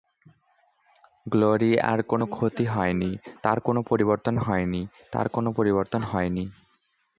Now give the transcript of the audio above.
গ্লোরিয়ার কোনো ক্ষতি হয়নি, তার কোনো পরিবর্তন হয়নি, তার কোনো পরিবর্তন হয়নি।